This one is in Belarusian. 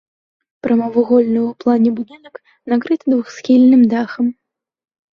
Прамавугольны ў плане будынак накрыты двухсхільным дахам.